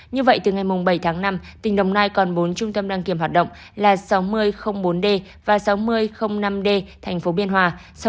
như vậy từ ngày bảy tháng năm tỉnh đồng nai còn bốn trung tâm đăng kiểm hoạt động là sáu mươi bốn d và sáu mươi năm d tp biên hòa